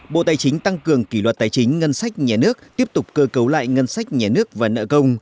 bộ tài chính tăng cường kỷ luật tài chính ngân sách nhà nước tiếp tục cơ cấu lại ngân sách nhà nước và nợ công